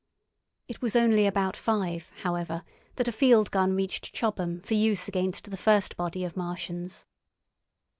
It was only about five, however, that a field gun reached Chobham for use against the first body of Martians.